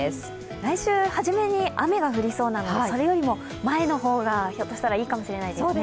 来週初めに雨が降りそうなのでそれよりも前の方が、ひょっとしたらいいかもしれないですね。